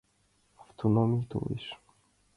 Автономий толеш!